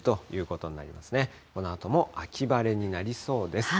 このあとも秋晴れになりそうです。